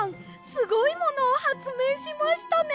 すごいものをはつめいしましたね。